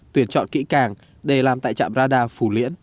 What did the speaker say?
tuyển chọn kỹ càng để làm tại trạm radar phù liễn